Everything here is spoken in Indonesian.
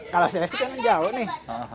kalau sales kan jauh nih